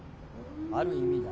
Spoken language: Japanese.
・「ある意味」だ。